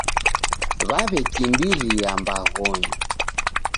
W'aw'ekimbiria mbaghonyi.